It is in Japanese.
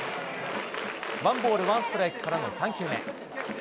ワンボールワンストライクからの３球目。